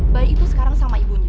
bayi itu sekarang sama ibunya